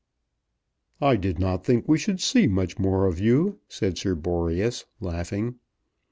"I did not think we should see much more of you," said Sir Boreas, laughing.